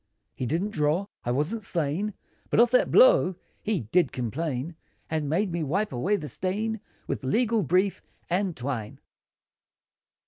He didn't draw, I wasn't slain, But of that blow, he did complain, And made me wipe away the stain, With legal brief, and twine.